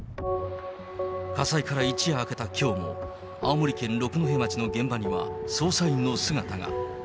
火災から一夜明けたきょうも、青森県六戸町の現場には捜査員の姿が。